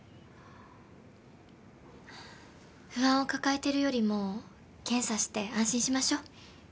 不安を抱えてるよりも検査して安心しましょう。